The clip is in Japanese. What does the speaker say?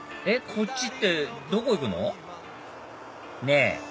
こっちってどこ行くの？ねぇ！